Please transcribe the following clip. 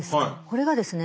これがですね